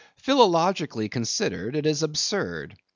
Philologically considered, it is absurd.